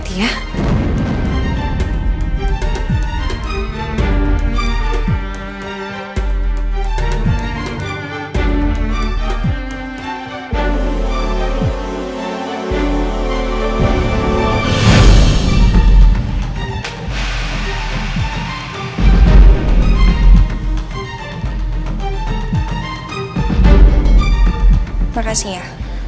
terima kasih ya